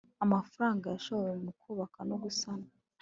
amafaranga yashowe mu kubaka no gusana